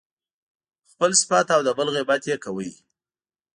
خپل صفت او د بل غیبت يې کاوه.